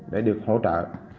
để được hỗ trợ